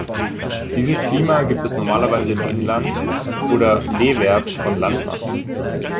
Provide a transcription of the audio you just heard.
Dieses Klima gibt es normalerweise im Inland oder leewärts von Landmassen.